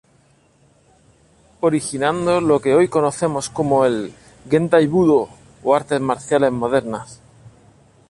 Originando lo que hoy conocemos como el "gendai budō" o artes marciales modernas.